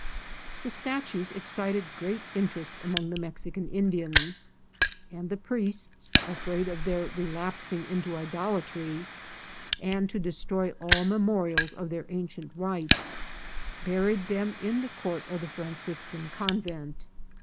The statues excited great interest among the Mexican Indians, and the priests, afraid of their relapsing into idolatry, and to destroy all memorials of their ancient rites, buried them in the court of the Franciscan Con vent.